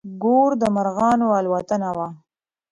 ګور د مرغانو الوتنه وه.